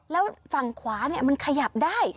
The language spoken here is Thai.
แล้วฝั่งขวามันขยับได้